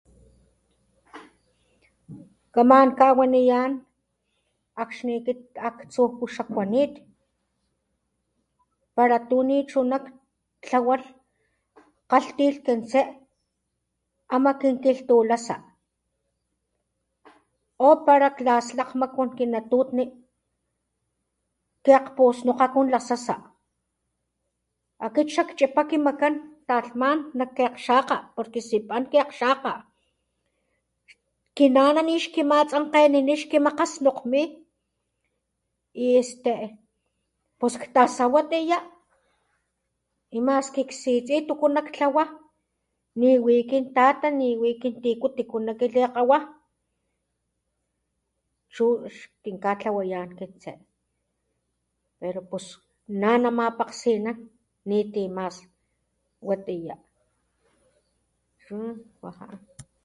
Kaman kawaniyán akxni titaktsú kuxa kwanit para tu ni chunak tlawalh kgalhtilh kinsé ama kinkilhtulasa o para tlaksmalakgstu kinantutni tlakgspun lunlakgsasa akit chak chipaki makgán talhmán maki akgxakga porke sipán ki alhxaka kinana nixki ninilh kimakgasnutmit y este pus ktasa watiya kimaski siti tuku nak tlawa ni wi kin tata ni wi tiku natiku nak wili akgawa chu xkinka tlawayá kinsé pero pus na nama pakgsinán niti mas watiyá xun pakga